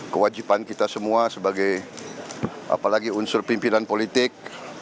kewajiban kita semua sebagai apalagi unsur pimpinan politik